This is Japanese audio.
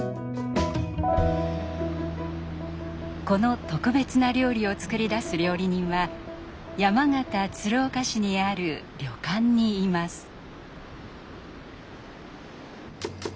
この特別な料理を作り出す料理人は山形・鶴岡市にある旅館にいます。